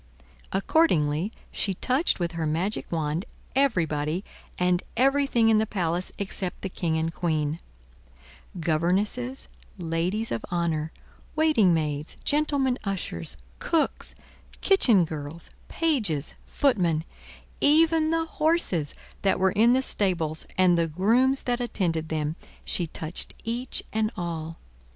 Accordingly, she touched with her magic wand everybody and everything in the palace except the King and Queen: governesses, ladies of honor, waiting maids, gentlemen ushers, cooks, kitchen girls, pages, footmen; even the horses that were in the stables, and the grooms that attended them, she touched each and all.